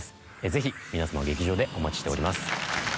是非皆様を劇場でお待ちしております